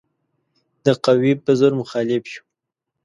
د قوې په زور مخالف یو.